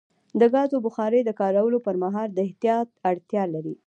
د ګازو بخاري د کارولو پر مهال د احتیاط اړتیا لري.